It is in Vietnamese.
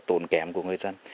ổn kém của người dân